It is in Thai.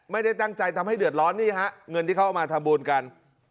ไม่ได้ตั้งใจทำให้เดือดร้อนนี่ฮะเงินที่เขาเอามาทำบุญกัน